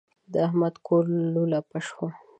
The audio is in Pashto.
د احمد کور لولپه شو.